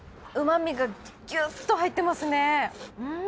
うま味がギュッと入ってますね。